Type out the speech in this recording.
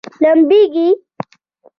لمبیږي؟